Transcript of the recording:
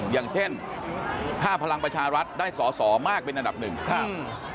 อย่างเช่นถ้าพลังประชารัฐได้สอสอมากเป็นอันดับหนึ่งครับ